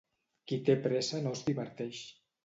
Qui té pressa no es diverteix.